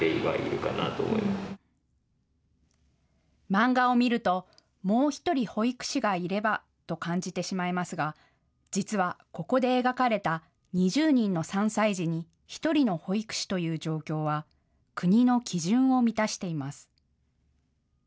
漫画を見ると、もう１人保育士がいればと感じてしまいますが実はここで描かれた２０人の３歳児に１人の保育士という状況は国の基準を満たしています。